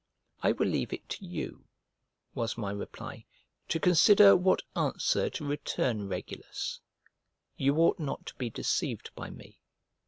"I will leave it to you," was my reply, "to consider what answer to return Regulus; you ought not to be deceived by me.